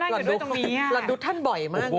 ราดดุท่านบ่อยมาก